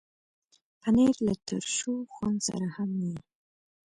پنېر له ترشو خوند سره هم وي.